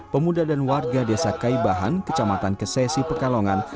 pemuda dan warga desa kaibahan kecamatan kesesi pekalongan